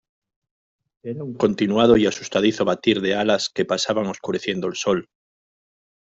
era un continuado y asustadizo batir de alas que pasaban oscureciendo el sol.